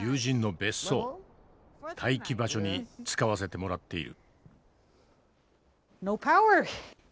待機場所に使わせてもらっている。